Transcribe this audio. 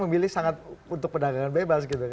memilih sangat untuk pedagangan bebas gitu kan